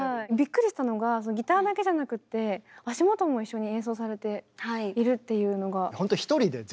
びっくりしたのがギターだけじゃなくて足元も一緒に演奏されているっていうのが。